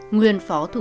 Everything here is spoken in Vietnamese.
nguyên phó thủ tướng